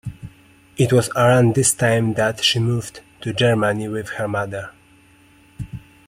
It was around this time that she moved to Germany with her mother.